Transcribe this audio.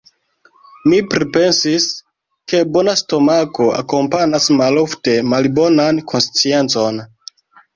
Mi pripensis, ke bona stomako akompanas malofte malbonan konsciencon.